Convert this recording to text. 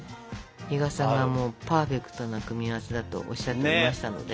比嘉さんがもうパーフェクトな組み合わせだとおっしゃっていましたのでね。